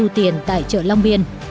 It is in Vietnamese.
tiền tại chợ long biên